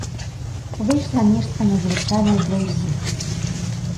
Выйшла нешта надзвычайнае для ўсіх.